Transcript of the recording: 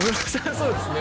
そうですね